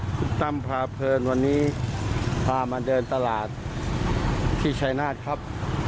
คุณตั้มพาเพลินวันนี้พามาเดินตลาดที่ชายนาฏครับ